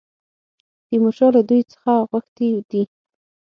تیمورشاه له دوی څخه غوښتي دي.